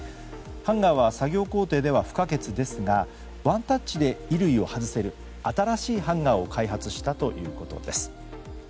ハンガーは作業工程では不可欠ですがワンタッチで衣類を外せる新しいハンガーを開発したということです。